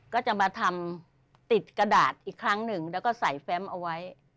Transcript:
ก็จะมาทำติดกระดาษอีกครั้งหนึ่งแล้วก็ใส่แฟมเอาไว้